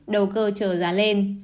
đầu cơ trở giá lên